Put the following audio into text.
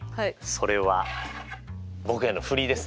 それは僕への振りですね。